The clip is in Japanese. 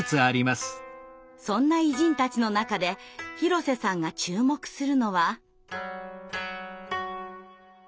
そんな偉人たちの中で広瀬さんが注目するのは。